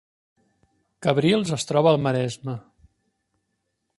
Cabrils es troba al Maresme